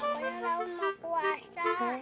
pokoknya raun mau puasa